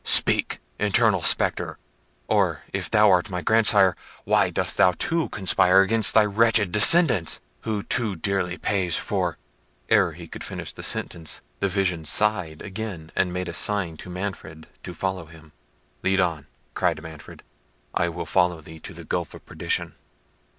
Speak, infernal spectre! Or, if thou art my grandsire, why dost thou too conspire against thy wretched descendant, who too dearly pays for—" Ere he could finish the sentence, the vision sighed again, and made a sign to Manfred to follow him. "Lead on!" cried Manfred; "I will follow thee to the gulf of perdition."